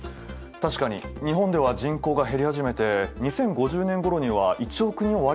確かに日本では人口が減り始めて２０５０年ごろには１億人を割り込むといわれてるよね。